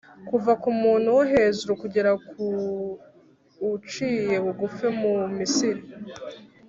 Kuva ku muntu wo hejuru kugera ku uciye bugufi mu Misiri,